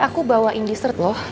aku bawain dessert loh